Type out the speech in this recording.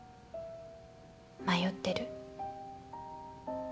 迷ってる。